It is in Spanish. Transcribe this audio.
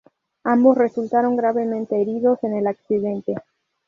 Ambos resultaron gravemente heridos en el accidente.